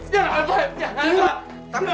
jangan bapak jangan bapak